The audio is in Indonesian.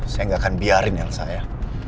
saya gak akan biarin elsa ya